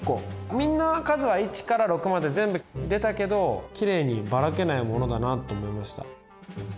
みんな数は１から６まで全部出たけどきれいにばらけないものだなと思いました。